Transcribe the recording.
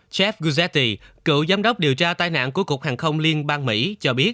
jeff guzzetti cựu giám đốc điều tra tai nạn của cục hàng không liên bang mỹ cho biết